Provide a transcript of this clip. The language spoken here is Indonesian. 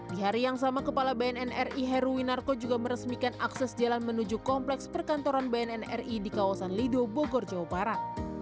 di hari yang sama kepala bnn ri heruwinarko juga meresmikan akses jalan menuju kompleks perkantoran bnn ri di kawasan lido bogor jawa barat